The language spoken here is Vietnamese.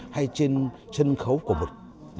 hay trên chân khấu của mực